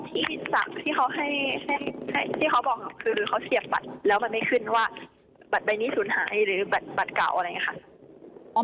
ที่เขาให้ที่เขาบอกคือเขาเสียบบัตรแล้วมันไม่ขึ้นว่าบัตรใบนี้ศูนย์หายหรือบัตรเก่าอะไรอย่างนี้ค่ะ